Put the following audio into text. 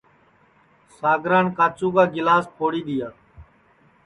ساگران کاچُو کا گِلاس پھوڑی دؔیا